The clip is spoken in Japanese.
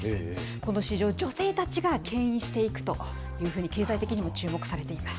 この市場、女性たちがけん引していくというふうに、経済的にも注目されています。